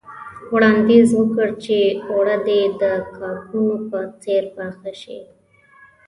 وړانديز وکړ چې اوړه دې د کاکونو په څېر پاخه شي.